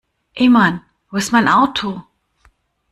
Ey Mann, wo ist mein Auto?